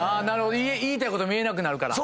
言いたいこと言えなくなるから。